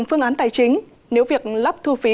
phương án tài chính nếu việc lắp thu phí